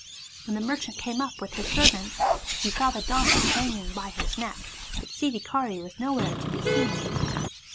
When the merchant came up with his servants, he saw the Domba hanging by his neck, but Sid dhikari was nowhere to be seen.